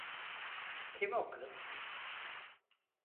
Kim o kız?